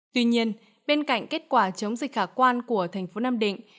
tuy nhiên bên cạnh kết quả chống dịch khả quan của tp nam định